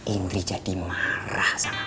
indri jadi marah sama omah